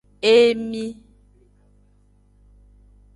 Emi.